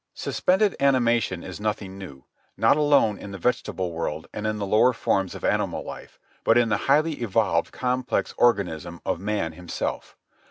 Suspended animation is nothing new, not alone in the vegetable world and in the lower forms of animal life, but in the highly evolved, complex organism of man himself.